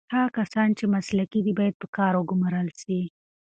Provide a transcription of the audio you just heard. هغه کسان چې مسلکي دي باید په کار وګمـارل سي.